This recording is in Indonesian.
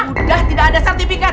sudah tidak ada sertifikat